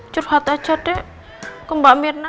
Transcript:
curhat aja dek ke mbak mirna